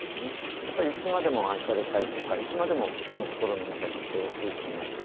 やっぱりいつまでも愛されたいとかいつまでも人の心の中にいてほしいっていうのがあって。